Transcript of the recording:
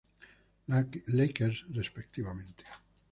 Lakers respectivamente.